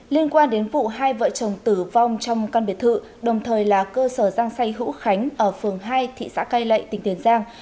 liên quan đến vụ hai vợ chồng tử vong trong căn biệt thự đồng thời là cơ sở giang say hữu khánh ở phường hai thị xã cai lậy tỉnh tiền giang